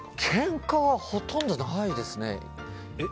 けんかはほとんどないですね。